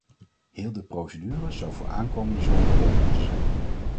Heel de procedure zou voor aankomende zomer rond moeten zijn.